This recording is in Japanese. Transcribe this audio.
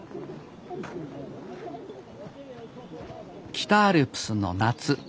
北アルプスの夏。